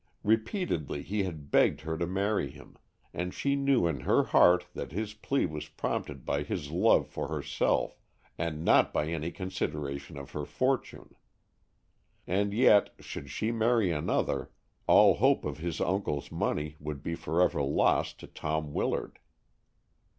Repeatedly he had begged her to marry him, and she knew in her heart that his plea was prompted by his love for herself and not by any consideration of her fortune. And yet, should she marry another, all hope of his uncle's money would be forever lost to Tom Willard.